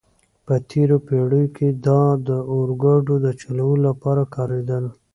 په تېرو پېړیو کې دا د اورګاډو د چلولو لپاره کارېدل.